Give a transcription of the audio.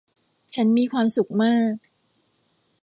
ฉันมีความสุขมาก